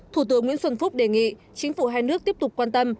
thủ tướng nguyễn xuân phúc đề nghị chính phủ hai nước tiếp tục quan tâm